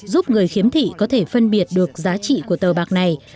giúp người khiếm thị có thể phân biệt được giá trị của tờ bạc này